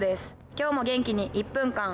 今日も元気に「１分間！